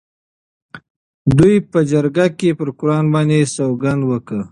دوی په جرګه کې پر قرآن باندې سوګند وکړ.